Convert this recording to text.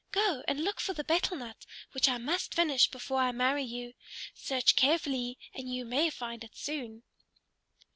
"Go and look for the betel nut which I must finish before I marry you. Search carefully and you may find it soon."